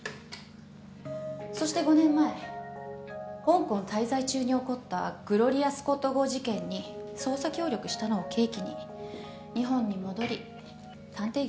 そして５年前香港滞在中に起こったグロリアスコット号事件に捜査協力したのを契機に日本に戻り探偵業を始めた。